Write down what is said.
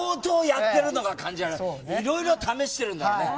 いろいろ試してるんだろうね。